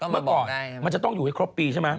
เมื่อก่อนมันจะต้องอยู่ให้ครบปีใช่ไหม